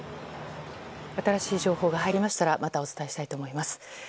新しい情報が入りましたらまたお伝えしたいと思います。